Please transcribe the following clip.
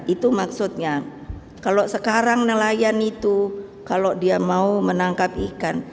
itu maksudnya kalau sekarang nelayan itu kalau dia mau menangkap ikan